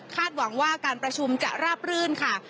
หวังว่าการประชุมจะราบรื่นค่ะ